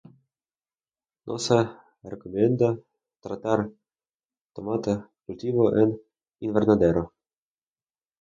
No se recomienda tratar tomate cultivado en invernadero.